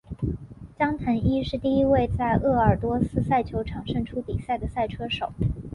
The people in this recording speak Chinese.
江腾一是第一位在鄂尔多斯赛车场胜出比赛的赛车手。